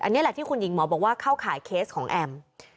อันนี้แหละที่คุณหญิงหมอบอกว่าเข้าข่ายเคสของแอม